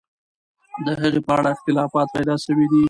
د هغې په اړه اختلاف پیدا سوی دی.